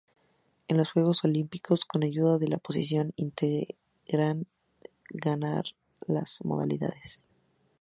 En los Juegos Olímpicos, con ayuda de la poción intentarán ganar todas las modalidades.